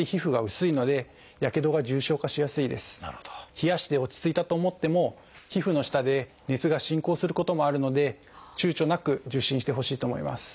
冷やして落ち着いたと思っても皮膚の下で熱が進行することもあるのでちゅうちょなく受診してほしいと思います。